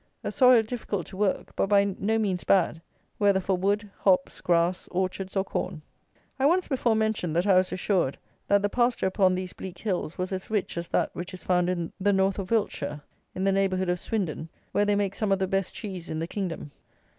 A soil difficult to work; but by no means bad, whether for wood, hops, grass, orchards, or corn. I once before mentioned that I was assured that the pasture upon these bleak hills was as rich as that which is found in the north of Wiltshire, in the neighbourhood of Swindon, where they make some of the best cheese in the kingdom.